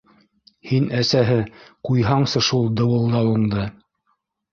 — Һин, әсәһе, ҡуйһаңсы шул дыуылдауыңды.